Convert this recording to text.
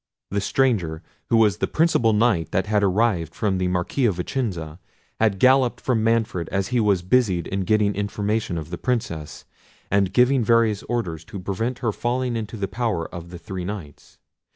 The stranger, who was the principal Knight that had arrived from the Marquis of Vicenza, had galloped from Manfred as he was busied in getting information of the Princess, and giving various orders to prevent her falling into the power of the three Knights.